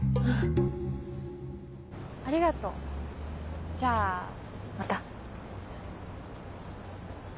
ありがとうじゃあまた。